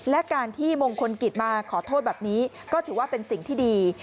และการที่มงคลกิจมาขอโทษแบบนี้ก็ถือว่าเป็นสิ่งที่ดี